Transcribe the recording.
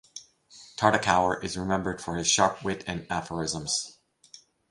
Tartakower is remembered for his sharp wit and aphorisms.